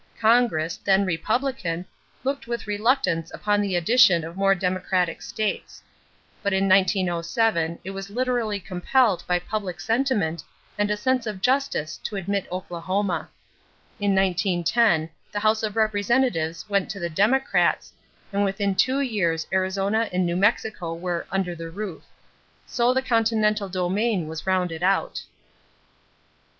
Congress, then Republican, looked with reluctance upon the addition of more Democratic states; but in 1907 it was literally compelled by public sentiment and a sense of justice to admit Oklahoma. In 1910 the House of Representatives went to the Democrats and within two years Arizona and New Mexico were "under the roof." So the continental domain was rounded out.